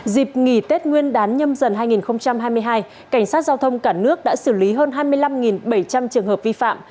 dịp nghỉ tết nguyên đán nhâm dần hai nghìn hai mươi hai cảnh sát giao thông cả nước đã xử lý hơn hai mươi năm bảy trăm linh trường hợp vi phạm